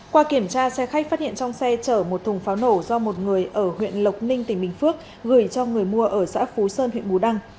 qua kiểm tra xe khách phát hiện trong xe chở một thùng pháo nổ do một người ở huyện lộc ninh tỉnh bình phước gửi cho người mua ở xã phú sơn huyện bù đăng